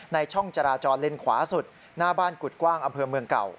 ช่องจราจรเลนขวาสุดหน้าบ้านกุฎกว้างอำเภอเมืองเก่า